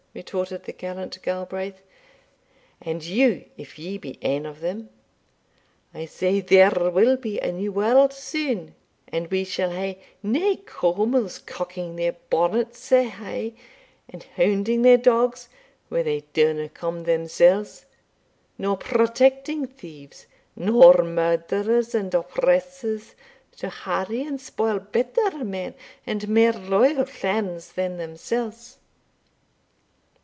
retorted the gallant Galbraith, "and you if ye be ane o' them! I say there will be a new warld sune And we shall hae nae Cawmils cocking their bonnet sae hie, and hounding their dogs where they daurna come themsells, nor protecting thieves, nor murderers, and oppressors, to harry and spoil better men and mair loyal clans than themsells."